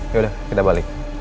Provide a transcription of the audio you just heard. ya udah kita balik